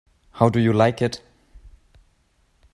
How do you like it?